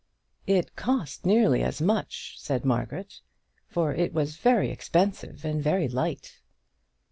"It cost nearly as much," said Margaret, "for it was very expensive and very light."